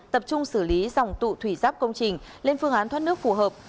tập trung xử lý dòng tụ thủy giáp công trình lên phương án thoát nước phù hợp